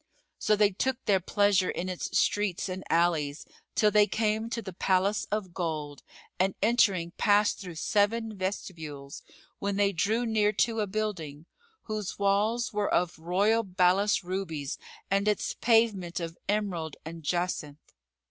So they took their pleasure in its streets and alleys, till they came to the Palace of Gold and entering passed through seven vestibules, when they drew near to a building, whose walls were of royal balass rubies and its pavement of emerald and jacinth.